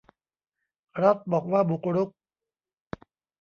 รัฐบอกว่าบุกรุก